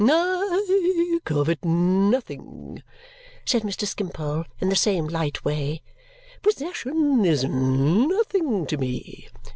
"I covet nothing," said Mr. Skimpole in the same light way. "Possession is nothing to me.